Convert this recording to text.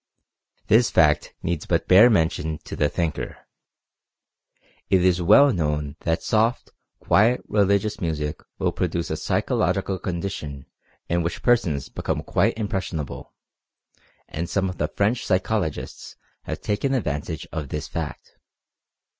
This fact needs but bare mention to the thinker. It is well known that soft, quiet religious music will produce a psychological condition in which persons become quite impressionable, and some of the French psychologists have taken advantage of this fact.